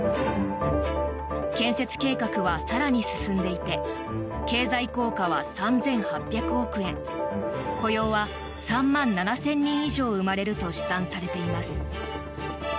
建設計画は更に進んでいて経済効果は３８００億円雇用は３万７０００人以上生まれると試算されています。